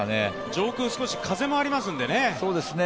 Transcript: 上空少し風もありますんでね。